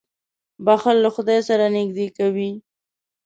• بښل له خدای سره نېږدې کوي.